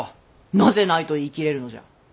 なぜないと言い切れるのじゃ。